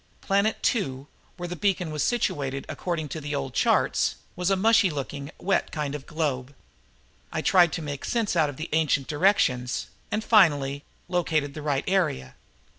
Planet two, where the beacon was situated according to the old charts, was a mushy looking, wet kind of globe. I tried to make sense out of the ancient directions and finally located the right area.